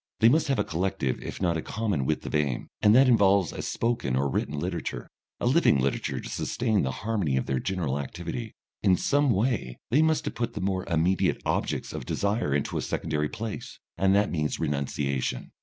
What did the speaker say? They must have a collective if not a common width of aim, and that involves a spoken or written literature, a living literature to sustain the harmony of their general activity. In some way they must have put the more immediate objects of desire into a secondary place, and that means renunciation.